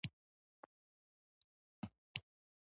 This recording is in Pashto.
د حسن مبارک پر وړاندې پاڅون پیل شو.